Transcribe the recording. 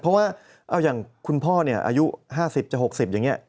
เพราะว่าเอาอย่างคุณพ่ออายุ๕๐จะ๖๐อย่างนี้